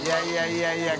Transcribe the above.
いやいや。